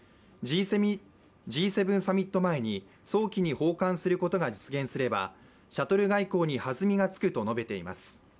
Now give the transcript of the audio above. Ｇ７サミット前に、早期に訪韓することが実現すればシャトル外交に弾みがつくと述べています。